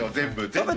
全部。